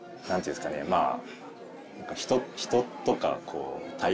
まあ。